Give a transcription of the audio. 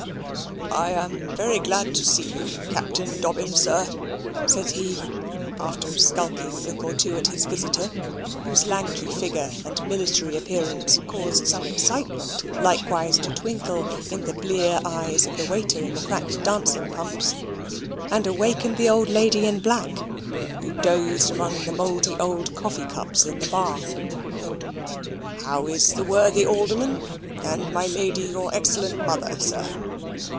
"I am very glad to see you, Captain Dobbin, sir," says he, after a skulking look or two at his visitor (whose lanky figure and military appearance caused some excitement likewise to twinkle in the blear eyes of the waiter in the cracked dancing pumps, and awakened the old lady in black, who dozed among the mouldy old coffee cups in the bar). "How is the worthy alderman, and my lady, your excellent mother, sir?"